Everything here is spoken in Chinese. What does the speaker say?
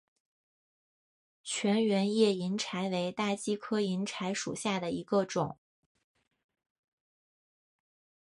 全缘叶银柴为大戟科银柴属下的一个种。